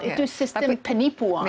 itu sistem penipuan